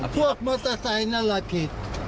พวกมอเตอร์ไซน์นั้นล่ะผิด